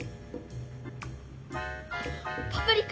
「パプリカ」